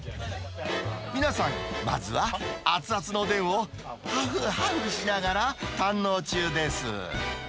皆さん、まずは熱々のおでんを、はふはふしながら堪能中です。